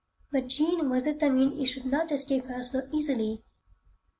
But Jean was determined he should not escape her so easily.